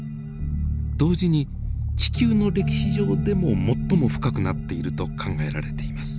同時に地球の歴史上でも最も深くなっていると考えられています。